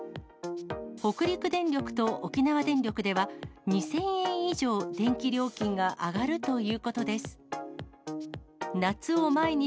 北陸電力と沖縄電力では、２０００円以上電気料金が上がるということです。